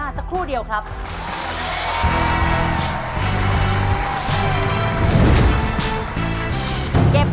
ตัวเลือกที่สามอดทน